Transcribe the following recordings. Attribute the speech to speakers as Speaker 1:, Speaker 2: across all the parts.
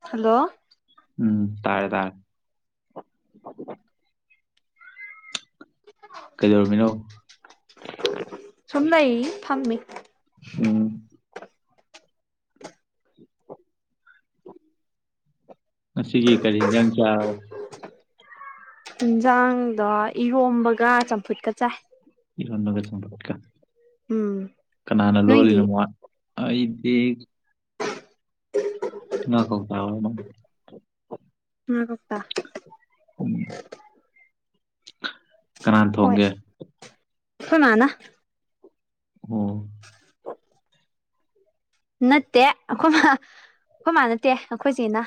Speaker 1: Hello
Speaker 2: ꯎꯝ ꯇꯥꯔꯦ ꯇꯔꯦ ꯀꯩꯗꯧꯔꯝꯃꯤꯅꯣ
Speaker 1: ꯁꯨꯝ ꯂꯩꯔꯤ ꯐꯝꯃꯤ
Speaker 2: ꯎꯝ [inaudible] ꯉꯁꯤꯒꯤ ꯀꯔꯤ ꯏꯖꯥꯡ ꯆꯔꯕ
Speaker 1: ꯏꯟꯖꯥꯡꯗꯣ ꯏꯔꯣꯝꯕꯒ ꯆꯝꯐꯨꯠꯀ ꯆꯥꯏ꯫
Speaker 2: ꯏꯔꯣꯝꯕꯒ ꯆꯝꯐꯨꯠꯀ
Speaker 1: ꯎꯝ
Speaker 2: ꯀꯅꯥꯅ
Speaker 1: ꯅꯣꯏꯗꯤ
Speaker 2: ꯂꯣꯜꯂꯤꯅꯣ [unintelligible] ꯑꯩꯗꯤ ꯉꯥ ꯀꯧꯇ ꯑꯣꯏꯔꯃꯥꯜꯂꯦ
Speaker 1: ꯉꯥ ꯀꯧꯇꯥ
Speaker 2: ꯎꯝ
Speaker 1: ꯍꯣꯏ ꯈꯣꯏ ꯃꯥꯅ
Speaker 2: ꯑꯣ
Speaker 1: ꯅꯠꯇꯦ ꯑꯈꯣ ꯃꯥ ꯑꯈꯣꯃꯥ ꯅꯠꯇꯦ ꯑꯈꯣꯏ ꯆꯦꯅ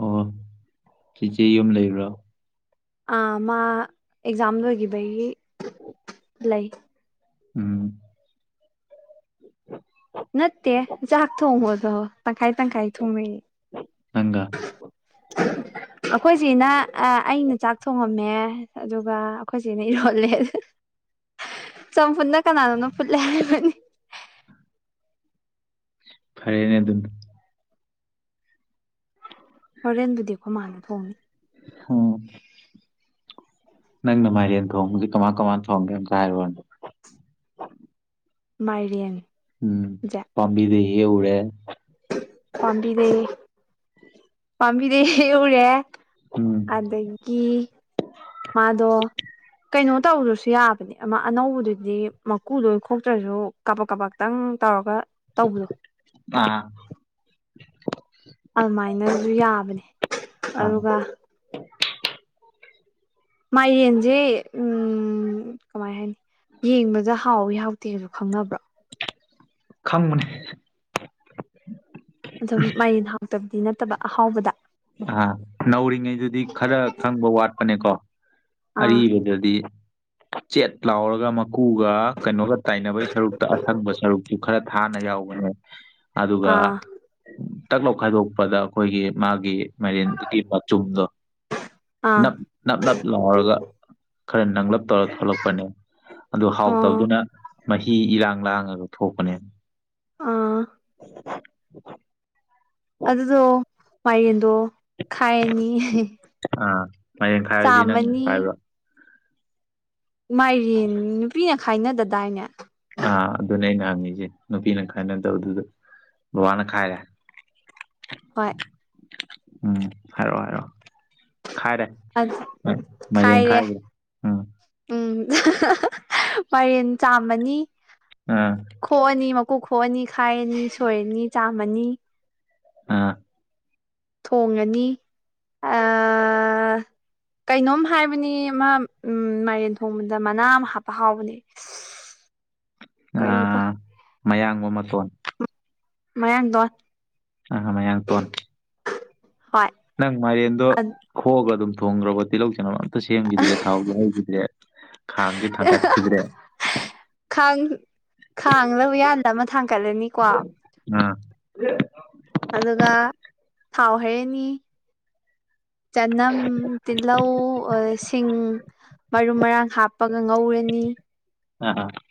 Speaker 2: ꯑꯣ ꯆꯦꯆꯦ ꯌꯨꯝ ꯂꯩꯕ꯭ꯔꯣ
Speaker 1: ꯑꯥ ꯃꯥ ꯑꯦꯛꯖꯥꯝ ꯂꯣꯏꯈꯤꯕꯒꯤ
Speaker 2: ꯎꯝ
Speaker 1: ꯂꯩ
Speaker 2: ꯎꯝ
Speaker 1: ꯅꯠꯇꯦ ꯆꯥꯛ ꯊꯣꯡꯕꯗꯣ ꯇꯪꯈꯥꯏ ꯇꯪꯈꯥꯏ ꯊꯣꯡꯉꯌꯦ
Speaker 2: ꯅꯪꯒꯥ
Speaker 1: ꯑꯩꯈꯣꯏꯆꯦꯅ ꯑꯩꯅ ꯆꯥꯛ ꯊꯣꯡꯉꯝꯃꯦ ꯑꯗꯨꯒ ꯑꯩꯈꯣꯏꯆꯧꯅ ꯏꯔꯣꯜꯂꯦ
Speaker 2: [unintelligible]
Speaker 1: ꯆꯝꯐꯨꯟꯅ ꯀꯅꯥꯅꯣꯅ ꯐꯨꯠꯂꯦ ꯍꯥꯏꯔꯤꯕꯅꯤ
Speaker 2: ꯐꯔꯦꯅꯦ ꯑꯗꯨꯅꯥ
Speaker 1: ꯍꯣꯔꯦꯟꯕꯨꯗꯤ ꯑꯩꯈꯣꯏꯃꯥꯅꯥ ꯊꯣꯡꯉꯅꯤ
Speaker 2: ꯎꯝ ꯅꯪ ꯃꯥꯏꯔꯦꯟ ꯇꯣꯡꯕꯗꯤ ꯀ ꯃꯥ ꯀꯃꯥ ꯇꯣꯡꯒꯦ ꯑꯝꯇꯥ ꯍꯥꯏꯔꯣꯅꯦ
Speaker 1: ꯃꯥꯏꯔꯦꯟ
Speaker 2: ꯎꯝ ꯄꯥꯕꯤꯗ ꯍꯦꯛꯎꯔꯦ
Speaker 1: ꯄꯕꯤꯗꯩ ꯄꯕꯤꯗꯩ ꯍꯦꯛꯎꯔꯦ
Speaker 2: ꯎꯝ
Speaker 1: ꯑꯗꯒꯤ ꯃꯥꯗꯣ ꯀꯩꯅꯣ ꯇꯧꯗ꯭ꯔꯁꯨ ꯌꯥꯕꯅꯦ ꯑꯃ ꯑꯅꯧꯕꯗꯨꯗꯤ ꯃꯀꯨ ꯂꯣꯏ ꯈꯣꯛꯇ꯭ꯔꯁꯨ ꯀꯄꯛ ꯀꯄꯇꯪ ꯇꯧꯔꯒ ꯇꯧꯕꯗꯣ
Speaker 2: ꯑꯥ
Speaker 1: ꯑꯗꯨꯃꯥꯏꯅꯁꯨ ꯌꯥꯕꯅꯦ
Speaker 2: ꯑꯥ
Speaker 1: ꯑꯗꯨꯒ ꯃꯥꯏꯔꯦꯟꯁꯦ ꯎ ꯀꯃꯥꯏ ꯍꯥꯏꯅꯤ ꯌꯦꯡꯕꯗ ꯍꯥꯎꯋꯤ ꯍꯥꯎꯇꯦꯒꯁꯨ ꯈꯪꯅꯕ꯭ꯔꯣ
Speaker 2: ꯈꯪꯕꯅꯦ
Speaker 1: ꯑꯗꯨꯝ ꯃꯥꯏꯔꯦꯟ ꯍꯥꯎꯇꯕꯗꯤ ꯅꯠꯇꯕ ꯑꯍꯥꯎꯕꯗ
Speaker 2: ꯑ ꯅꯧꯔꯤꯉꯩꯗꯨꯗꯤ ꯈꯔ ꯈꯪꯕ ꯋꯥꯠꯄꯅꯦꯀꯣ
Speaker 1: ꯑꯥ
Speaker 2: ꯑꯔꯤꯕꯗꯗꯤ ꯆꯦꯠ ꯂꯥꯎꯔꯒ ꯃꯀꯨꯒ ꯀꯩꯅꯣꯒ ꯇꯥꯏꯅꯕꯒꯤ ꯁꯔꯨꯛꯇ ꯑꯁꯪꯕ ꯁꯔꯨꯛꯇꯁꯨ ꯈꯔ ꯊꯥꯅ ꯌꯥꯎꯕꯅꯦ ꯑꯗꯨꯒ
Speaker 1: ꯑꯥ
Speaker 2: ꯇꯛꯂꯥꯎ ꯈꯥꯏꯗꯣꯛꯄꯗ ꯑꯩꯈꯣꯏꯒꯤ ꯃꯥꯒꯤ ꯃꯔꯦꯟꯗꯨꯒꯤ ꯃꯆꯨꯝꯗꯣ
Speaker 1: ꯑꯥ
Speaker 2: ꯅꯞ ꯅꯞ ꯅꯞ ꯂꯥꯎꯔꯒ ꯈꯔ ꯅꯪꯂꯂꯞ ꯇꯧꯔꯒ ꯊꯣꯛꯂꯛꯄꯅꯦ ꯑꯗꯨ
Speaker 1: ꯑꯣ
Speaker 2: ꯍꯥꯎꯇꯧꯗꯨꯅ ꯃꯍꯤ ꯏꯔꯥꯡ ꯂꯥꯡꯉꯒ ꯊꯣꯛꯄꯅꯦ
Speaker 1: ꯑꯥ
Speaker 2: [unintelligible]
Speaker 1: ꯑꯗꯨꯗꯣ ꯃꯔꯦꯟꯗꯣ ꯈꯥꯏꯔꯅꯤ
Speaker 2: ꯑꯥ ꯃꯥꯏꯔꯦꯟ ꯈꯥꯏꯔꯗꯤ ꯅꯪ
Speaker 1: ꯆꯥꯝꯃꯅꯤ
Speaker 2: ꯈꯥꯏꯕ꯭ꯔꯣ
Speaker 1: ꯃꯥꯏꯔꯦꯟ ꯅꯨꯄꯤꯅ ꯈꯥꯏꯅꯗꯗꯥꯏꯅꯦ
Speaker 2: ꯑꯥ ꯑꯗꯨꯅꯦ ꯑꯩꯅ ꯍꯪꯉꯁꯦ ꯅꯨꯄꯤꯅ ꯈꯥꯏꯅ ꯇꯧꯕꯗꯨꯗ ꯕꯕꯥꯅ ꯈꯥꯏꯔꯦ
Speaker 1: ꯍꯣꯏ
Speaker 2: ꯎꯝ ꯍꯥꯏꯔꯣꯑꯣ ꯍꯥꯏꯔꯣꯑꯣ ꯈꯥꯏꯔꯦ ꯃꯥꯏꯔꯦꯟ
Speaker 1: ꯈꯥꯏꯔꯦ
Speaker 2: ꯈꯥꯏꯒ꯭ꯔꯦ ꯎꯝ
Speaker 1: ꯎꯝ ꯄꯔꯦꯟ ꯆꯥꯃꯅꯤ
Speaker 2: ꯑ
Speaker 1: ꯈꯣꯛꯑꯅꯤ ꯃꯀꯨ ꯈꯣꯛꯑꯅꯤ ꯈꯥꯏꯔꯅꯤ ꯁꯣꯏꯔꯅꯤ ꯆꯥꯝꯃꯅꯤ
Speaker 2: ꯑ
Speaker 1: ꯊꯣꯡꯉꯅꯤ ꯑꯥ
Speaker 2: [unintelligible]
Speaker 1: ꯀꯩꯅꯣꯝ ꯍꯥꯏꯕꯅꯤ ꯃꯥ ꯎ ꯃꯥꯏꯔꯦꯟ ꯊꯣꯡꯕꯗ ꯃꯅꯥ ꯑꯃ ꯍꯥꯞꯄ ꯍꯥꯎꯕꯅꯦ
Speaker 2: ꯑ
Speaker 1: ꯀꯔꯤꯕ
Speaker 2: ꯃꯌꯥꯡꯕ ꯃꯇꯣꯟ
Speaker 1: ꯃꯌꯥꯡꯇꯣꯟ
Speaker 2: ꯑ ꯃꯌꯥꯡ ꯇꯣꯟ
Speaker 1: ꯍꯣꯏ
Speaker 2: ꯅꯪ ꯃꯥꯏꯔꯦꯟꯗꯣ ꯈꯣꯛꯑꯒ ꯑꯗꯨꯝ ꯊꯣꯡꯈ꯭ꯔꯕ ꯇꯤꯜꯍꯧ ꯆꯟꯅꯝ ꯑꯝꯇ ꯁꯦꯝꯈꯤꯗ꯭ꯔꯦ ꯊꯥꯎꯗꯣ ꯉꯧꯈꯤꯗ꯭ꯔꯦ ꯈꯥꯡꯒꯤ ꯊꯪ ꯀꯤꯗ꯭ꯔꯦ
Speaker 1: ꯈꯥꯡ ꯈꯥꯡꯂ ꯎꯌꯥꯟꯗ ꯑꯃ ꯊꯥꯡꯒꯠꯂꯅꯤꯀꯣ
Speaker 2: ꯑ
Speaker 1: ꯑꯗꯨꯒ ꯊꯥꯎ ꯍꯩꯔꯥꯅꯤ ꯆꯅꯝ ꯇꯤꯜꯍꯧ ꯑ ꯁꯤꯡ ꯃꯔꯨ ꯃꯔꯥꯡ ꯍꯥꯞ ꯍꯥꯞꯄꯒ ꯉꯧꯔꯅꯤ
Speaker 2: ꯑ ꯑ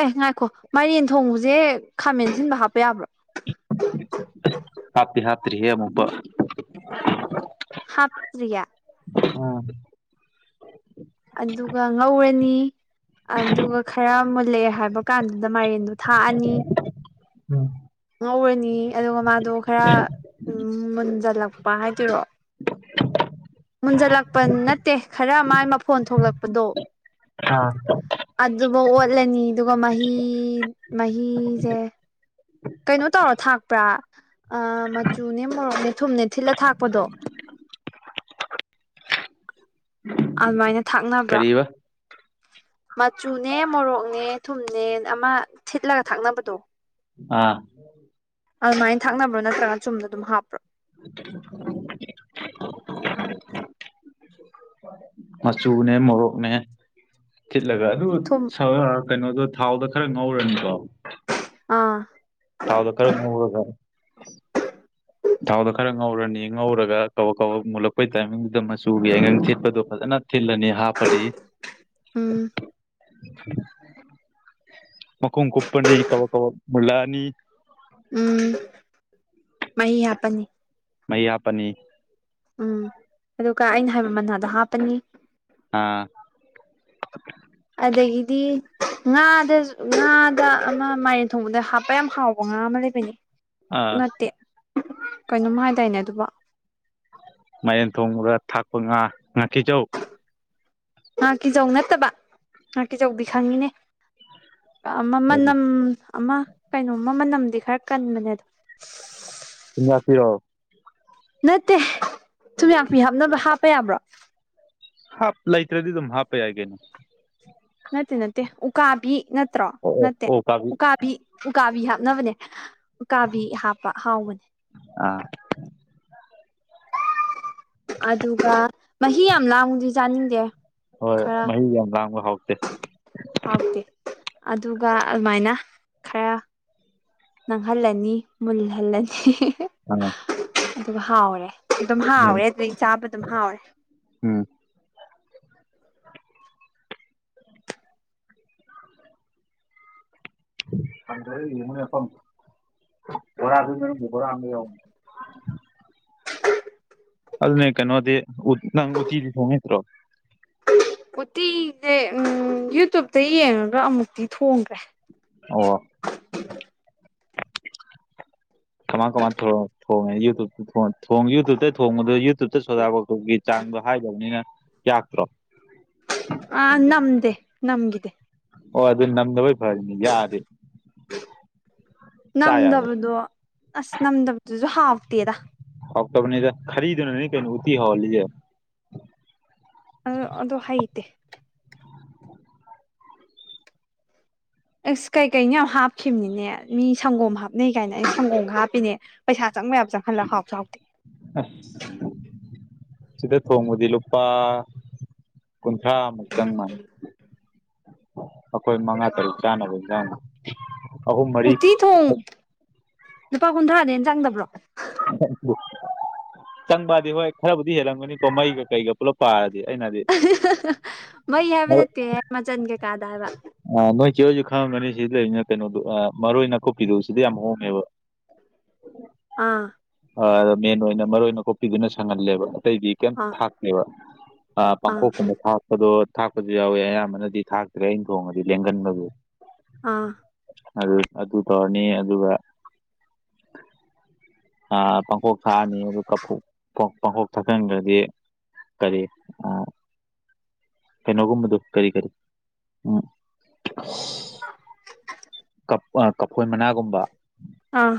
Speaker 1: ꯑꯦ ꯉꯥꯏꯈꯣ ꯃꯥꯏꯔꯦꯟ ꯊꯣꯡꯕꯁꯦ ꯈꯥꯃꯦꯟꯁꯤꯟꯕ ꯍꯥꯞꯄ ꯌꯥꯕ꯭ꯔꯣ
Speaker 2: ꯍꯥꯇꯤ ꯍꯥꯇꯔꯤꯌꯦ ꯑꯃꯨꯕ
Speaker 1: ꯍꯥꯞꯇꯔꯤꯌꯦ
Speaker 2: ꯑꯥ
Speaker 1: ꯑꯗꯨꯒ ꯉꯧꯔꯅꯤ ꯑꯗꯨꯒ ꯈꯔ ꯃꯨꯜꯂꯛꯑꯦ ꯍꯥꯏꯕ ꯀꯥꯟꯗꯨꯗ ꯃꯥꯏꯔꯦꯟꯗꯨ ꯊꯥꯛꯑꯅꯤ
Speaker 2: ꯎꯝ
Speaker 1: ꯉꯧꯔꯅꯤ ꯑꯗꯨꯒ ꯃꯥꯗꯣ ꯈꯔ ꯃꯨꯟꯖꯜꯂꯛꯄ ꯍꯥꯏꯗꯣꯏꯔꯣ ꯃꯨꯟꯖꯜꯂꯛꯄ ꯅꯠꯇꯦ ꯈꯔ ꯃꯥꯏ ꯃꯐꯣꯟ ꯊꯣꯛꯂꯛꯄꯗꯣ
Speaker 2: ꯑꯥ
Speaker 1: ꯑꯗꯨꯕꯨ ꯑꯣꯠꯂꯅꯤ ꯑꯗꯨꯒ ꯃꯍꯤ ꯃꯍꯤꯁꯦ ꯀꯩꯅꯣ ꯇꯧꯔ ꯊꯥꯛꯄ꯭ꯔꯥ ꯑ ꯃꯆꯨꯅꯦ ꯃꯣꯔꯣꯛꯅꯦ ꯊꯨꯝꯅꯦ ꯊꯤꯜꯂ ꯊꯥꯛꯄꯗꯣ ꯑꯗꯨꯃꯥꯏꯅ ꯊꯥꯛꯅꯕ꯭ꯔꯥ
Speaker 2: ꯀꯔꯤꯕ
Speaker 1: ꯃꯆꯨꯅꯦ ꯃꯣꯔꯣꯛꯅꯦ ꯊꯨꯝꯅꯦ ꯑꯃ ꯊꯤꯠꯂꯒ ꯊꯛꯅꯕꯗꯣ
Speaker 2: ꯑꯥ
Speaker 1: ꯑꯗꯨꯃꯥꯏꯅ ꯊꯛꯅꯕ꯭ꯔꯣ ꯅꯠꯇ꯭ꯔꯒ ꯆꯨꯝꯅ ꯑꯗꯨꯝ ꯍꯥꯞꯄ꯭ꯔꯣ
Speaker 2: ꯃꯆꯨꯅꯦ ꯃꯣꯔꯣꯛꯅꯦ ꯊꯤꯠꯂꯒ ꯑꯗꯨ
Speaker 1: ꯊꯨꯝ
Speaker 2: ꯁ ꯀꯩꯅꯣꯗꯣ ꯊꯥꯎꯗ ꯈꯔ ꯉꯧꯔꯅꯤꯀꯣ
Speaker 1: ꯑꯥ
Speaker 2: ꯇꯥꯎꯗꯣ ꯀꯔ ꯉꯧꯔꯒ ꯊꯥꯎꯗꯣ ꯈꯔ ꯉꯧꯔꯅꯤ ꯉꯧꯔꯒ ꯀꯕꯛ ꯀꯕꯛ ꯃꯨꯜꯂꯛꯄꯩ ꯇꯥꯏꯃꯤꯡꯗꯨꯗ ꯃꯆꯨꯒꯤ ꯑꯉꯪ ꯆꯦꯠꯄꯗꯣ ꯐꯖꯅ ꯊꯤꯜꯂꯅꯤ ꯍꯥꯄꯗꯤ
Speaker 1: ꯎꯝ
Speaker 2: ꯃꯈꯨꯝ ꯀꯨꯞꯄꯅꯤ ꯀꯕꯛ ꯀꯕꯛ ꯃꯨꯜꯂꯛꯑꯅꯤ
Speaker 1: ꯎꯝ ꯃꯍꯤ ꯍꯥꯞꯄꯅꯤ
Speaker 2: ꯃꯍꯤ ꯍꯥꯞꯄꯅꯤ
Speaker 1: ꯎꯝ ꯑꯗꯨꯒ ꯑꯩꯅ ꯍꯥꯏꯕ ꯃꯅꯥꯗꯣ ꯍꯥꯞꯄꯅꯤ
Speaker 2: ꯑꯥ
Speaker 1: ꯑꯗꯒꯤꯗꯤ ꯉꯥꯗ ꯉꯥꯗ ꯑꯃ ꯃꯥꯏꯔꯦꯟ ꯊꯣꯡꯕꯗ ꯍꯥꯞꯄ ꯌꯥꯝ ꯍꯥꯎꯕ ꯉꯥ ꯑꯃ ꯂꯩꯕꯅꯦ
Speaker 2: ꯑꯥ
Speaker 1: ꯅꯠꯇꯦ ꯀꯩꯅꯣꯝ ꯍꯥꯏꯗꯥꯏꯅꯦ ꯑꯗꯨꯕꯣ
Speaker 2: ꯃꯌꯦꯟ ꯊꯣꯡꯕ꯭ꯔꯒ ꯊꯥꯛꯄ ꯉꯥ ꯉꯥꯀꯤꯖꯧ
Speaker 1: ꯉꯥꯀꯤꯖꯧ ꯅꯠꯇꯕ ꯉꯥꯀꯤꯆꯧꯗꯤ ꯈꯪꯉꯤꯅꯦ ꯑꯃ ꯃꯅꯝ ꯑꯃ ꯀꯩꯅꯣꯝꯃ ꯃꯅꯝꯗꯤ ꯈꯔ ꯀꯟꯕꯅꯦ ꯑꯗꯣ
Speaker 2: ꯊꯨꯝ ꯌꯥꯛꯄꯤꯔꯣ
Speaker 1: ꯅꯠꯇꯦ ꯊꯨꯝꯌꯥꯛꯄꯤ ꯍꯥꯞꯅꯕ ꯍꯥꯞꯄ ꯌꯥꯕ꯭ꯔꯣ
Speaker 2: ꯍꯥꯞ ꯂꯩꯇ꯭ꯔꯗꯤ ꯑꯗꯨꯝ ꯍꯥꯄ ꯌꯥꯏ ꯀꯩꯅꯣ
Speaker 1: ꯅꯠꯇꯦ ꯅꯠꯇꯦ ꯎꯀꯥꯕꯤ ꯅꯠꯇ꯭ꯔꯣ
Speaker 2: ꯑꯣ ꯑꯣ
Speaker 1: ꯅꯠꯇꯦ
Speaker 2: ꯑꯣ ꯀꯥꯕꯤ
Speaker 1: ꯎꯀꯥ ꯕꯤ ꯎꯀꯥꯕꯤ ꯍꯥꯞꯅꯕꯅꯦ ꯎꯀꯥꯕꯤ ꯍꯥꯞꯄ ꯍꯥꯎꯕꯅꯦ
Speaker 2: ꯑꯥ
Speaker 1: ꯑꯗꯨꯒ ꯃꯍꯤ ꯌꯥꯝ ꯂꯥꯡꯕꯗꯤ ꯆꯥꯅꯤꯡꯗꯦ
Speaker 2: ꯍꯣꯏ
Speaker 1: ꯈꯔ
Speaker 2: ꯃꯍꯤ ꯌꯥꯝ ꯂꯥꯡꯕ ꯍꯥꯎꯇꯦ
Speaker 1: ꯍꯥꯎꯇꯦ ꯑꯗꯨꯒ ꯑꯗꯨꯃꯥꯏꯅ ꯈꯔ ꯅꯥꯡꯍꯜꯂꯅꯤ ꯃꯨꯜꯍꯜꯂꯅꯤ
Speaker 2: ꯎꯝ
Speaker 1: ꯑꯗꯨꯒ ꯍꯥꯎꯔꯦ ꯑꯗꯨꯝ ꯍꯥꯎꯔꯦ
Speaker 2: ꯎꯝ
Speaker 1: ꯑꯗꯨꯗꯒꯤ ꯆꯥꯕ ꯑꯗꯨꯝ ꯍꯥꯎꯔꯦ
Speaker 2: ꯎꯝ [unintelligible] ꯕꯣꯔꯥꯗꯨꯏ ꯃꯅꯨꯡꯗ ꯕꯣꯔꯥ ꯑꯝꯁꯨ ꯌꯥꯎꯕꯅꯤ ꯑꯗꯨꯅ ꯀꯩꯅꯣꯗꯦ ꯎꯠ ꯅꯪ ꯎꯇꯤꯗꯤ ꯊꯣꯡ ꯍꯩꯇ꯭ꯔꯣ
Speaker 1: ꯎꯣꯇꯤꯁꯦ ꯎꯝ ꯌꯨꯇꯨꯕꯇ ꯌꯦꯡꯉꯒ ꯑꯃꯨꯛꯇꯤ ꯊꯣꯡꯈ꯭ꯔꯦ
Speaker 2: ꯑꯣ ꯀꯃꯥꯏ ꯀꯃꯥꯏ ꯇꯧꯔ ꯊꯣꯡꯉꯦ ꯌꯨꯇꯨꯞꯇ ꯊꯣ ꯊꯣꯡ ꯌꯨꯇꯨꯞꯇ ꯊꯣꯡꯕꯗꯣ ꯌꯨꯇꯨꯞꯇ ꯁꯣꯗꯥꯕ ꯗꯧꯒꯤ ꯆꯥꯡꯗꯣ ꯍꯥꯏꯗꯕꯅꯤꯅ ꯌꯥꯛꯇ꯭ꯔꯣ
Speaker 1: ꯑ ꯅꯝꯗꯦ ꯅꯝꯒꯤꯗꯦ
Speaker 2: ꯑꯣ ꯑꯗꯨ ꯅꯝꯗꯕꯩ ꯐꯔꯤꯅꯤ ꯌꯥꯛꯑꯗꯤ ꯆꯥ ꯌꯥꯕ
Speaker 1: ꯅꯝꯗꯕꯗꯣ ꯑꯁ ꯅꯝꯗꯕꯗꯨꯁꯨ ꯍꯥꯎꯇꯦꯗ
Speaker 2: ꯍꯥꯎꯇꯕꯅꯤꯗ ꯈꯔꯔꯤꯗꯨꯅꯅꯤ ꯀꯩꯅꯣ ꯎꯇꯤ ꯍꯥꯎꯍꯜꯂꯤꯖꯦ
Speaker 1: ꯑ ꯑꯗꯨ ꯍꯩꯇꯦ ꯑꯩꯁ ꯀꯩꯀꯩꯅꯣ ꯌꯥꯝ ꯍꯥꯞꯈꯤꯕꯅꯤꯅꯦ ꯃꯤ ꯁꯪꯒꯣꯝ ꯍꯥꯞꯅꯩ ꯀꯥꯏꯅ ꯑꯩ ꯁꯪꯒꯣꯝ ꯍꯥꯞꯄꯤꯅꯦ ꯄꯩꯁꯥ ꯆꯪꯕ ꯌꯥꯕ ꯆꯪꯍꯟꯂꯒ ꯍꯥꯎꯁꯨ ꯍꯥꯎꯇꯦ
Speaker 2: ꯑ ꯁꯤꯗ ꯊꯣꯡꯕꯗꯤ ꯂꯨꯄꯥ ꯀꯨꯟꯊ꯭ꯔꯥ ꯃꯨꯛ ꯆꯪ ꯃꯥꯟ ꯑꯈꯣꯏ ꯃꯉꯥ ꯇꯔꯨꯛ ꯆꯥꯅꯕ ꯌꯥꯅ ꯏꯟꯖꯥꯡꯗ
Speaker 1: ꯎꯠꯇꯤ ꯊꯣꯡ ꯂꯨꯄꯥ ꯀꯨꯟꯊ꯭ꯔꯥꯗꯩ ꯍꯦꯟ ꯆꯪꯗꯕ꯭ꯔꯣ
Speaker 2: [unintelligible] ꯆꯪꯕꯗꯤ ꯍꯣꯏ ꯈꯔꯕꯨꯗꯤ ꯍꯦꯜꯂꯝꯒꯅꯤꯀꯣ ꯃꯩꯒ ꯀꯩꯒ ꯄꯨꯜꯂꯞ ꯄꯥꯔꯗꯤ ꯑꯩꯅꯗꯤ ꯍꯥꯏꯗꯤ
Speaker 1: ꯃꯩ ꯍꯥꯏꯕ ꯅꯠꯇꯦꯍꯦ ꯃꯆꯟ ꯀꯩꯀꯥꯗ ꯍꯥꯏꯕ
Speaker 2: ꯑ ꯅꯣꯏ ꯆꯦ ꯍꯣꯏꯁꯨ ꯈꯪꯉꯝꯒꯅꯤ ꯁꯤꯗ ꯂꯩꯔꯤꯅꯤꯅ ꯀꯩꯅꯣꯗꯣ ꯑ ꯃꯔꯣꯏ ꯅꯥꯀꯨꯞꯄꯤꯗꯨ ꯁꯤꯗ ꯌꯥꯝ ꯍꯣꯡꯉꯦꯕ ꯎꯝ
Speaker 1: ꯑꯥ
Speaker 2: ꯑꯗ ꯃꯦꯟ ꯑꯣꯏꯅ ꯃꯔꯣꯏ ꯅꯀꯨꯞ ꯄꯤꯗꯨꯅ ꯁꯪꯍꯜꯂꯦꯕ ꯑꯇꯩꯗꯤ ꯀꯩꯝ
Speaker 1: ꯑꯥ
Speaker 2: ꯊꯥꯛꯇꯦꯕ ꯑꯥ ꯄꯥꯡꯈꯣꯛꯀꯨꯝꯕ ꯊꯥꯛ ꯑꯗꯣ ꯊꯥꯛꯄꯁꯨ ꯌꯥꯎꯋꯦ ꯑꯌꯥꯝꯕꯅꯗꯤ ꯊꯥꯛꯇ꯭ꯔꯦ ꯑꯩꯅ ꯊꯣꯡꯉꯗꯤ ꯂꯦꯡꯒꯟꯕꯒꯤ
Speaker 1: ꯑꯥ
Speaker 2: ꯑꯗꯨ ꯑꯗꯨ ꯇꯧꯔꯅꯤ ꯑꯗꯨꯒ ꯑꯥ ꯄꯥꯡꯈꯣꯛ ꯊꯥꯛꯑꯅꯤ ꯑꯗꯨꯒ ꯄꯥꯡꯈꯣꯛ ꯊꯥꯛꯆꯟꯈ꯭ꯔꯗꯤ ꯀꯔꯤ ꯑ ꯀꯩꯅꯣꯒꯨꯝꯕꯗꯣ ꯀꯔꯤ ꯀꯔꯤ ꯎꯝ ꯑꯁ ꯑ ꯀꯐꯣꯏ ꯃꯅꯥꯒꯨꯝꯕ
Speaker 1: ꯑꯥ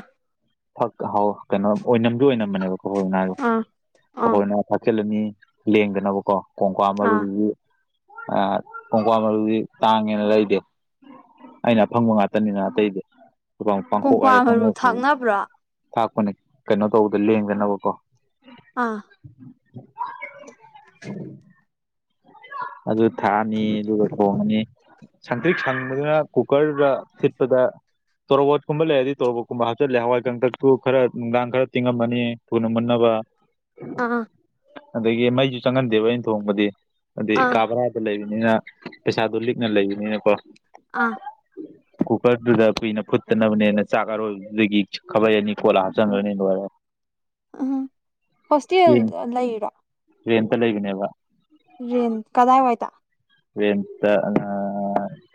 Speaker 2: ꯑꯍꯧ ꯀꯩꯅꯣ ꯑꯣꯏꯅꯝꯗꯨ ꯑꯣꯏꯅꯝꯕꯅꯦꯕ ꯀꯐꯣꯏ ꯃꯅꯥꯁꯦ
Speaker 1: ꯑꯥ ꯑꯥ
Speaker 2: ꯀꯐꯣꯏ ꯃꯅ ꯊꯥꯛꯆꯤꯜꯂꯅꯤ ꯂꯦꯡꯗꯅꯕꯀꯣ ꯀꯣꯡꯀ
Speaker 1: ꯑꯥ
Speaker 2: ꯃꯔꯨꯗꯨꯗꯤ ꯑ ꯀꯣꯡꯀ꯭ꯋꯥ ꯃꯔꯨꯗꯨꯗꯤ ꯇꯥꯡꯉꯦꯅ ꯂꯩꯗꯦ ꯑꯩꯅ ꯑꯐꯪꯕ ꯉꯥꯛꯇꯅꯤꯅ ꯑꯇꯩꯗꯤ ꯄꯥꯡꯊꯣꯛ
Speaker 1: ꯀꯣꯡꯀ꯭ꯋꯥ
Speaker 2: ꯍꯥꯏꯔꯦ
Speaker 1: ꯃꯔꯨ
Speaker 2: ꯐꯪꯉꯍꯧ ꯍꯧꯏ
Speaker 1: ꯊꯥꯛꯅꯕ꯭ꯔꯣ
Speaker 2: ꯊꯥꯛꯄꯅꯦ ꯀꯩꯅꯣ ꯇꯧꯕꯗꯣ ꯂꯦꯡꯗꯅꯕꯀꯣ
Speaker 1: ꯑꯥ
Speaker 2: [unintelligible] ꯑꯗꯨ ꯊꯥꯛꯑꯅꯤ ꯑꯗꯨꯒ ꯊꯣꯡꯉꯅꯤ ꯁꯪꯇ꯭ꯔꯤꯛ ꯁꯪꯕꯗꯨꯅ ꯀꯨꯀꯔꯗ ꯊꯤꯠꯄꯗ ꯇꯣꯔꯕꯣꯠꯀꯨꯝꯕ ꯂꯩꯔꯗꯤ ꯇꯣꯔꯣꯠꯀꯨꯝꯕ ꯍꯥꯞꯆꯜꯂꯦ ꯍꯋꯥꯏꯀꯪꯇꯛ [unintelligible] ꯈꯔ ꯅꯨꯡꯗꯥꯡ ꯈꯔ ꯇꯤꯡꯉꯝꯃꯅꯤ ꯊꯨꯅ ꯃꯨꯟꯅꯕ
Speaker 1: ꯑꯥ
Speaker 2: ꯑꯗꯒꯤ ꯃꯩꯁꯨ ꯆꯪꯍꯟꯗꯦꯕ ꯑꯩꯅ ꯊꯣꯡꯕꯗꯤ ꯑꯗꯤ
Speaker 1: ꯑꯥ
Speaker 2: ꯀꯥ ꯕꯔꯥꯗ ꯂꯩꯕꯅꯤꯅ ꯄꯩꯁꯥꯗꯣ ꯂꯤꯛꯅ ꯂꯩꯕꯅꯤꯅꯀꯣ
Speaker 1: ꯑꯥ
Speaker 2: ꯀꯨꯀꯔꯗꯨꯗ ꯀꯨꯏꯅ ꯐꯨꯠꯇꯅꯕꯅꯦꯅ ꯆꯥꯛ ꯑꯔꯣꯏꯕꯗꯒꯤ ꯈꯥꯕꯩ ꯑꯅꯤ ꯀꯣꯠꯂ ꯍꯥꯞꯆꯟꯈ꯭ꯔꯅꯤ ꯂꯣꯏꯔꯦ
Speaker 1: ꯑꯥ ꯍꯣꯁꯇꯦꯜ
Speaker 2: ꯆꯦꯡ
Speaker 1: ꯂꯩꯔꯣ
Speaker 2: ꯔꯦꯟꯇ ꯂꯩꯕꯅꯦꯕ
Speaker 1: ꯔꯦꯟ ꯀꯗꯥꯏꯋꯥꯏꯗ
Speaker 2: ꯔꯦꯟꯇ ꯑꯥ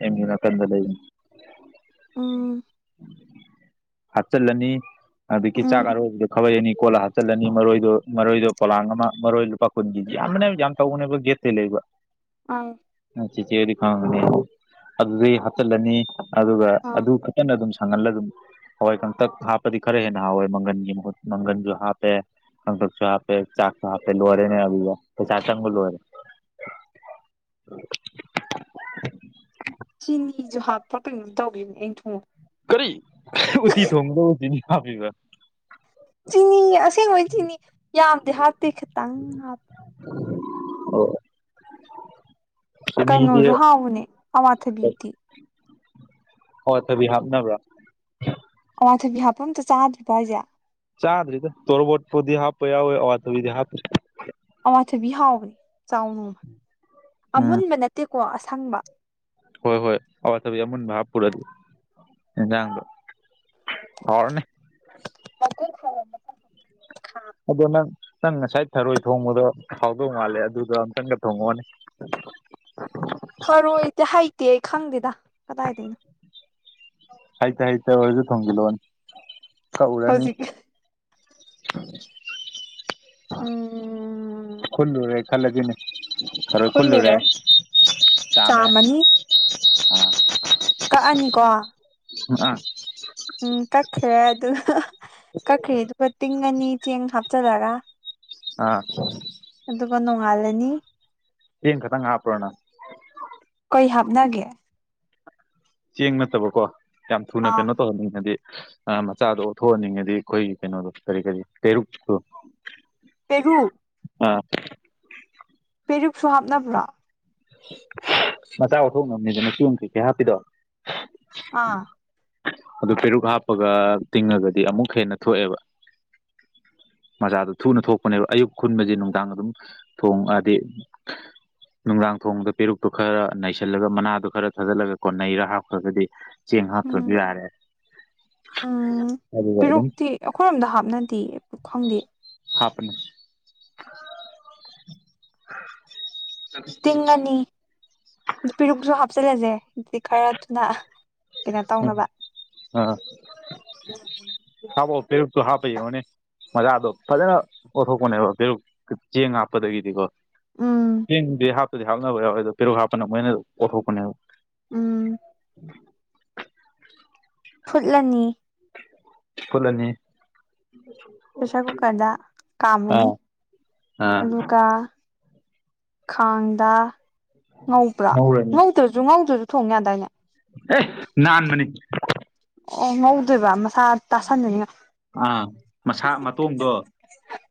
Speaker 2: ꯑꯦꯝꯌꯨ ꯅꯀꯟꯗ ꯂꯩꯕꯅꯤ
Speaker 1: ꯑꯥ
Speaker 2: ꯍꯥꯞꯆꯜꯂꯅꯤ ꯑꯗꯒꯤ
Speaker 1: ꯎꯝ
Speaker 2: ꯆꯥꯛ ꯑꯔꯣꯏꯕꯗꯨ ꯈꯥꯕꯩ ꯑꯅꯤ ꯀꯣꯠꯂ ꯍꯥꯞꯆꯤꯜꯂꯅꯤ ꯃꯔꯣꯏꯗꯣ ꯃꯔꯣꯏꯗꯣ ꯄꯣꯂꯥꯡ ꯑꯃ ꯃꯔꯣꯏ ꯂꯨꯄꯥ ꯀꯨꯟꯒꯤ ꯌꯥꯝꯕꯅꯦ ꯌꯥꯝ ꯇꯧꯕꯅꯦꯕ ꯒꯦꯠ ꯇꯩ ꯂꯩꯕ
Speaker 1: ꯑꯪ
Speaker 2: ꯆꯤꯆꯦꯗꯤ ꯈꯪꯉꯝꯒꯅꯤ ꯑꯗꯨꯗꯩ ꯍꯥꯞꯆꯜꯂꯅꯤ ꯑꯗꯨꯒ
Speaker 1: ꯑꯥ
Speaker 2: ꯑꯗꯨ ꯀꯟꯅ ꯑꯗꯨꯝ ꯁꯥꯡꯍꯥꯜꯂ ꯑꯗꯨꯝ ꯍꯋꯥꯏ ꯀꯪꯡꯇꯛ ꯍꯥꯞꯄꯗꯤ ꯈꯔ ꯍꯦꯟꯅ ꯍꯥꯎꯋꯦ ꯃꯪꯒꯟꯒꯤ ꯃꯍꯨꯠ ꯃꯪꯒꯟꯁꯨ ꯍꯥꯞꯄꯦ ꯀꯪꯇꯛꯁꯨ ꯍꯥꯞꯄꯦ ꯆꯥꯛꯁꯨ ꯍꯥꯥꯞꯄꯦ ꯂꯣꯏꯔꯦꯅꯦ ꯑꯗꯨꯗ ꯄꯩꯁꯥ ꯆꯪꯕ ꯂꯣꯏꯔꯦ [inaudible] [unintelligible]
Speaker 1: ꯆꯤꯅꯤꯁꯨ ꯍꯥꯞꯄ꯭ꯔꯥ ꯀꯩꯅꯣꯝ ꯇꯧꯒꯤꯕꯅꯦ ꯑꯩꯅ ꯊꯣꯡ
Speaker 2: ꯀꯔꯤ ꯎꯇꯤ ꯊꯣꯡꯕꯗꯕꯨ ꯆꯤꯅꯤ ꯍꯥꯞꯄꯤꯕ
Speaker 1: ꯆꯤꯅꯤ ꯑꯁꯦꯡꯕꯩ ꯆꯤꯅꯤ ꯌꯥꯝꯗꯤ ꯍꯥꯞꯇꯦ ꯈꯤꯇꯪ ꯍꯥꯞꯄꯦ
Speaker 2: [unintelligible] ꯆꯤꯅꯤꯁꯦ
Speaker 1: ꯀꯩꯅꯣꯁꯨ ꯍꯥꯎꯕꯅꯦ ꯑꯋꯥꯊꯕꯤꯗꯤ
Speaker 2: ꯑꯋꯥ ꯊꯕꯤ ꯍꯥꯞꯅꯕ꯭ꯔꯥ꯫
Speaker 1: ꯑꯋꯥ ꯊꯥꯕꯤ ꯍꯥꯞꯄ ꯑꯝꯇ ꯆꯥꯗ꯭ꯔꯤꯕꯣ ꯍꯥꯏꯁꯦ꯫
Speaker 2: ꯆꯥꯗ꯭ꯔꯤꯗ ꯇꯣꯔꯕꯣꯠꯄꯨꯗꯤ ꯍꯥꯞꯄ ꯌꯥꯎꯏ ꯑꯋꯥꯊꯕꯤꯗꯤ ꯍꯥꯞꯇꯔꯤꯗ꯫
Speaker 1: ꯑꯋꯥꯊꯕꯤ ꯍꯥꯎꯕꯅꯤ ꯆꯥꯎ ꯅꯣꯡꯃ
Speaker 2: ꯎꯝ
Speaker 1: ꯑꯃꯨꯟꯕ ꯅꯠꯇꯦꯀꯣ ꯑꯁꯪꯕ꯫
Speaker 2: ꯍꯣꯏ ꯍꯣꯏ ꯑꯋꯥꯠꯊꯕꯤ ꯑꯃꯨꯟ ꯚꯥꯞ ꯄꯨꯔꯗꯤ ꯏꯟꯖꯥꯡꯗꯣ ꯍꯥꯎꯔꯅꯤ꯫
Speaker 1: [unintelligible]
Speaker 2: ꯑꯗꯣ ꯅꯪ ꯅꯪ ꯉꯁꯥꯏ ꯊꯔꯣꯏ ꯊꯣꯡꯕꯗꯣ ꯍꯥꯎꯗꯧ ꯃꯥꯜꯂꯦ ꯑꯗꯨꯗ ꯑꯨꯇꯪꯒ ꯊꯣꯡꯉꯛꯑꯣꯅꯦ꯫ [inaudible]
Speaker 1: ꯊꯔꯣꯏꯗꯤ ꯍꯩꯇꯦ ꯈꯪꯗꯦꯗ ꯀꯗꯥꯏꯗꯩꯩꯅꯣ꯫
Speaker 2: ꯍꯩꯇ ꯍꯩꯠ ꯑꯣꯏꯔꯁꯨ ꯊꯣꯡꯖꯤꯟ ꯂꯛꯑꯣꯅꯦ ꯀꯧꯔꯅꯤ꯫
Speaker 1: ꯍꯧꯖꯤꯛ ꯎꯝ
Speaker 2: ꯈꯨꯜꯂꯨꯔꯦ ꯈꯥꯜꯂꯖꯤꯅꯦ꯫ ꯊꯔꯣꯏ ꯈꯨꯜꯂꯨꯔꯦ ꯆꯥꯝꯃꯦ꯫
Speaker 1: ꯆꯥꯝꯃꯅꯤ ꯀꯛꯑꯅꯤꯀꯣ꯫
Speaker 2: ꯑ꯫
Speaker 1: ꯎꯝ ꯀꯛꯈ꯭ꯔꯦ ꯑꯗꯨ ꯀꯛꯈ꯭ꯔꯦ ꯑꯗꯨꯒ ꯇꯤꯡ ꯑꯅꯤ ꯆꯦꯡ ꯍꯥꯞꯆꯜꯂꯒ꯫
Speaker 2: ꯑꯥ꯫
Speaker 1: ꯑꯗꯨꯒ ꯅꯣꯡꯉꯥꯜꯂꯅꯤ꯫
Speaker 2: ꯌꯦꯡ ꯈꯇꯪ ꯍꯥꯞꯄꯔꯣ ꯅꯪ꯫
Speaker 1: ꯀꯩ ꯍꯥꯞꯅꯒꯦ꯫
Speaker 2: ꯆꯦꯡ ꯅꯠꯇꯕꯀꯣ ꯌꯥꯝ ꯊꯨꯅ
Speaker 1: ꯑꯥ
Speaker 2: ꯀꯩꯅꯣ ꯇꯧꯍꯟꯅꯤꯡꯉꯗꯤ꯫ ꯃꯆꯥꯗꯣ ꯑꯣꯠꯊꯣꯛꯍꯟꯅꯤꯡꯉꯗꯤ ꯑꯩꯈꯣꯏꯒꯤ ꯀꯩꯅꯣꯗꯣ ꯀꯔꯤ ꯀꯔꯤ ꯄꯦꯔꯨꯛꯇꯨ꯫
Speaker 1: ꯄꯦꯔꯨꯛ꯫
Speaker 2: ꯑ꯫
Speaker 1: ꯄꯦꯔꯨꯛꯁꯨ ꯍꯥꯞꯅꯕ꯭ꯔꯣ꯫
Speaker 2: ꯃꯆꯥ ꯑꯣꯊꯣꯛꯅꯕꯅꯤꯗꯅ [unintelligible] ꯀꯩꯀꯩ ꯍꯥꯞꯄꯤꯗꯣ꯫
Speaker 1: ꯑꯥ꯫
Speaker 2: ꯑꯗꯨ ꯄꯦꯔꯨꯛ ꯍꯥꯞꯄꯒ ꯇꯤꯡꯉꯒꯗꯤ ꯑꯃꯨꯛ ꯍꯦꯟꯅ ꯊꯣꯛꯑꯦꯕ꯫ ꯃꯆꯥꯥꯗꯣ ꯊꯨꯅ ꯊꯣꯛꯄꯅꯦꯕ ꯑꯌꯨꯛ ꯈꯨꯟꯕꯁꯦ ꯅꯨꯡꯗꯥꯡ ꯑꯗꯨꯝ ꯊꯣꯡ ꯑꯗꯤ ꯅꯨꯡꯗꯥꯡ ꯊꯣꯡꯕꯗ ꯄꯦꯔꯨꯛꯇꯨ ꯈꯔ ꯅꯩꯁꯤꯜꯂꯒ ꯃꯅꯥꯗꯣ ꯈꯔ ꯊꯥꯖꯤꯜꯂꯒ ꯀꯣꯟ ꯅꯩꯔ ꯍꯥꯞꯈ꯭ꯔꯒꯗꯤ꯫ ꯆꯦꯡ ꯍꯥꯠꯇ꯭ꯔꯁꯨ
Speaker 1: ꯎꯝ
Speaker 2: ꯌꯥꯔꯦ꯫
Speaker 1: ꯎꯝ
Speaker 2: ꯑꯗꯨꯒ ꯑꯗꯨꯝ
Speaker 1: ꯄꯦꯔꯨꯛꯇꯤ ꯑꯩꯈꯣꯏꯔꯣꯝꯗ ꯍꯥꯞꯅꯗꯦ ꯈꯪꯗꯦ꯫
Speaker 2: ꯍꯥꯞꯄꯅꯦ꯫
Speaker 1: ꯇꯤꯡꯉꯅꯤ ꯄꯦꯔꯨꯛꯁꯨ ꯍꯥꯞꯆꯤꯜꯂꯁꯦ ꯑꯗꯨꯗꯤ ꯈꯔ ꯊꯨꯅ꯫ ꯀꯩꯅꯣ ꯇꯧꯅꯕ꯫
Speaker 2: ꯑ ꯍꯥꯞꯄꯣ ꯄꯦꯔꯨꯛ ꯣ ꯍꯥꯞꯄ ꯌꯦꯡꯉꯣꯅꯦ ꯃꯖꯥꯗꯣ ꯐꯖꯅ ꯑꯣꯊꯣꯛꯄꯅꯦꯕ ꯐꯦꯔꯨ ꯆꯦꯡ ꯍꯥꯞꯄꯗꯒꯤꯗꯤꯀꯣ
Speaker 1: ꯎꯝ
Speaker 2: ꯆꯦꯡꯗꯤ ꯍꯥꯞꯇꯗꯤ ꯍꯥꯞꯅꯕ ꯌꯥꯎꯋ ꯑꯗꯣ ꯄꯦꯔꯨꯛ ꯍꯥꯞꯄꯅ ꯃꯣꯏꯅ ꯑꯣꯊꯣꯛꯄꯅꯦꯕ꯫
Speaker 1: ꯎꯝ꯫ ꯐꯨꯠꯂꯅꯤ꯫
Speaker 2: ꯐꯨꯠꯂꯅꯤ꯫
Speaker 1: ꯄ꯭ꯔꯦꯁꯔ ꯀꯨꯀꯔꯗ
Speaker 2: ꯑꯥ
Speaker 1: ꯀꯥꯝꯃꯅꯤ
Speaker 2: ꯑꯥ
Speaker 1: ꯑꯗꯨꯒ ꯈꯥꯡꯗ ꯉꯧꯕ꯭ꯔꯥ
Speaker 2: ꯉꯧꯔꯅꯤ
Speaker 1: ꯉꯧꯗ꯭ꯔꯁꯨ ꯉꯧꯗ꯭ꯔꯁꯨ ꯊꯣꯡ ꯌꯥꯗꯥꯏꯅꯦ꯫
Speaker 2: ꯑꯦ ꯅꯥꯟꯕꯅꯤ꯫
Speaker 1: ꯑꯣ ꯉꯧꯗꯣꯏꯕ ꯃꯁꯥ ꯇꯥꯁꯟ
Speaker 2: ꯑꯥ ꯃꯁꯥ ꯃꯇꯣꯡꯗꯣ